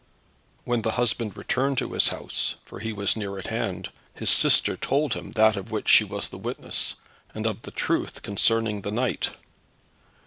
When the husband returned to his house for he was near at hand his sister told him that of which she was the witness, and of the truth concerning the knight.